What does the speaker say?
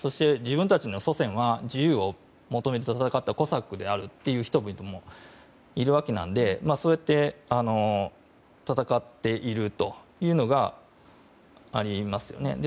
自分たちの祖先は自由を求めて戦ったコサックであるという人々もいるわけなのでそうやって戦っているというのがありますね。